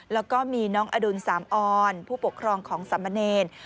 แล้วก็มีน้องอดุลสามออนผู้ปกครองของสามเณร